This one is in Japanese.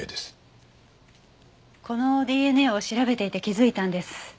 このＤＮＡを調べていて気づいたんです。